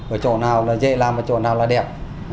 ở chỗ nào là dễ làm ở chỗ nào là đẹp